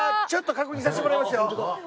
ちょっと確認させてもらいますよ。